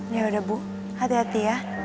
yaudah bu hati hati ya